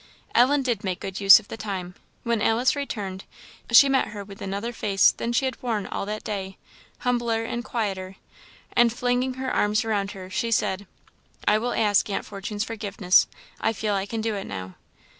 Ellen did make good use of the time. When Alice returned, she met her with another face than she had worn all that day, humbler and quieter; and flinging her arms around her, she said "I will ask Aunt Fortune's forgiveness; I feel I can do it now."